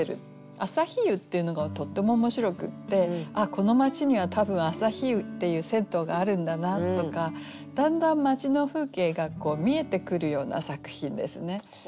「あさひ湯」っていうのがとっても面白くってああこの町には多分「あさひ湯」っていう銭湯があるんだなとかだんだん町の風景が見えてくるような作品ですね。